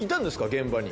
現場に。